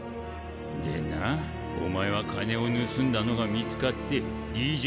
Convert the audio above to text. でなお前は金を盗んだのが見つかってＤＪ